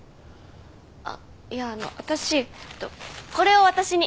あっいやあの私えっとこれを渡しに。